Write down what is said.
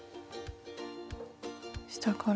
下から。